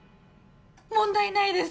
問題ないです！